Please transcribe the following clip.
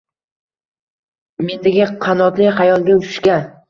Mendagi qanotli xayolga — hushga!